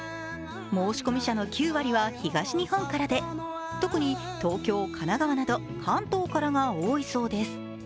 申し込み者の９割は東日本からで特に東京、神奈川など関東からが多いそうです。